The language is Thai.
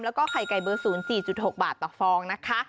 แล้วก็ไข่ไก่เบอร์๐๔๖บาทต่อฟองนะคะ